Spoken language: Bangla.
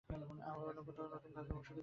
আমরা অন্য কোথাও নতুন ভাবে বসতি গড়ে তুলবো।